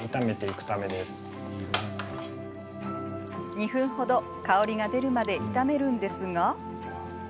２分程、香りが出るまで炒めるんですが